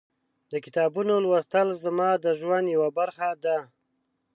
د کتابونو لوستل زما د ژوند یوه برخه ده.